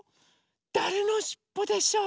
だれのしっぽでしょう？